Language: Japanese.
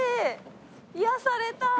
癒やされたい。